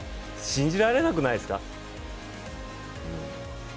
信じられなくないですか？